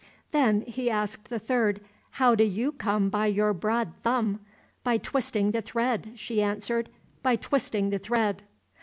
Then he asked the third, "How do you come by your broad thumb?" "By twisting the thread," she answered, "by twisting the thread."